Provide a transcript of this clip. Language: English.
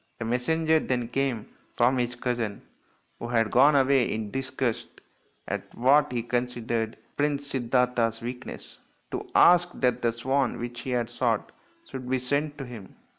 A messenger then came from his cousin, who had gone away in disgust at what he considered Prince Siddartha's weakness, to ask that the swan which he had shot should be sent to him.